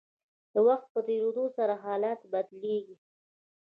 د وخت په تیریدو سره حالات بدلیږي.